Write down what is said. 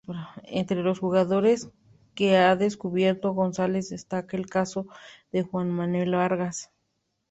Entre los jugadores que ha "descubierto" Gonzales destaca el caso de Juan Manuel Vargas.